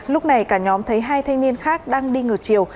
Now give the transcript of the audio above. lúc này cả nhóm thấy hai thanh niên khác đang đi ngược chiều